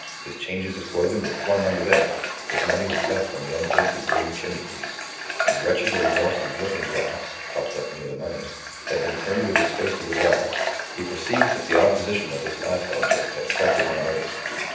His changes of clothing were flung on the bed; his money was left on the unpainted wooden chimney piece; his wretched little morsel of looking glass (propped up near the money) had been turned with its face to the wall. He perceived that the odd position of this last object had attracted my notice.